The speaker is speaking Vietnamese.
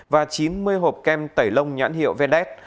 và chín mươi hộp kem tẩy lông nhãn hiệu vdes